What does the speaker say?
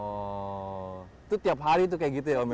oh itu tiap hari itu kayak gitu ya